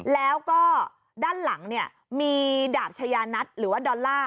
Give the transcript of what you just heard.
แล้วก็ด้านหลังเนี่ยมีดาบชายานัทหรือว่าดอลลาร์